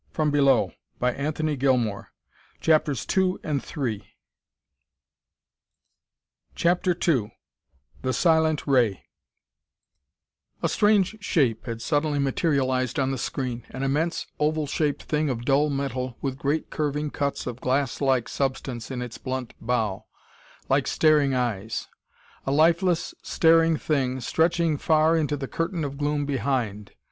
Then both he and Bowman cried out as one: "There!" CHAPTER II The Silent Ray A strange shape had suddenly materialized on the screen an immense, oval shaped thing of dull metal, with great curving cuts of glass like substance in its blunt bow, like staring eyes; a lifeless, staring thing, stretching far into the curtain of gloom behind.